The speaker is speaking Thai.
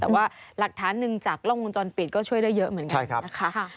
แต่ว่าหลักฐานหนึ่งจากกล้องวงจรปิดก็ช่วยได้เยอะเหมือนกันนะคะ